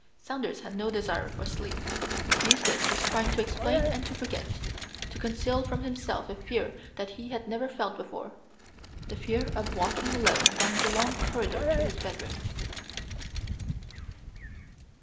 Saunders had no desire for sleep. Eustace was trying to explain and to forget: to conceal from himself a fear that he had never felt before the fear of walking alone down the long corridor to his bedroom.